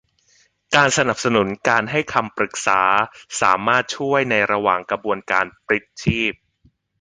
การสนับสนุนการให้คำปรึกษาสามารถช่วยในระหว่างกระบวนการปลิดชีพ